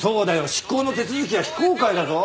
執行の手続きは非公開だぞ。